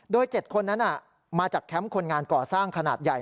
โดย๗คนนั้นมาจากแคมป์คนงานก่อสร้างขนาดใหญ่